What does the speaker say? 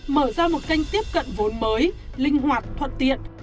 mở ra một kênh tiếp cận vốn mới linh hoạt thuận tiện